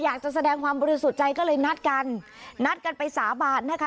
อยากจะแสดงความบริสุทธิ์ใจก็เลยนัดกันนัดกันไปสาบานนะคะ